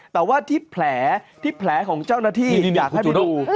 แต่ว่าที่แผลที่แผลของเจ้าหน้าที่อยากให้ไปดู